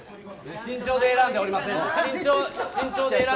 身長で選んでおりません。